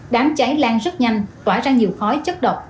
đám cháy lan rất nhanh tỏa ra nhiều khói chất độc